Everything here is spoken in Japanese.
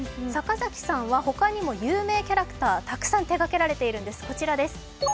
坂崎さんはほかにも有名キャラクターたくさん手がけていらっしゃるんです。